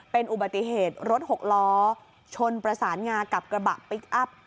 เป็นอุบัติเหตุรถหกล้อชนประสานงากับกระบะพลิกอัพ